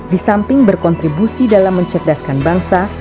di samping berkontribusi dalam mencerdaskan bangsa